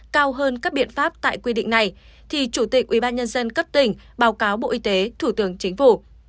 cao hơn các biện pháp tại quy định này thì chủ tịch ubnd cấp tỉnh báo cáo bộ y tế thủ tướng chính phủ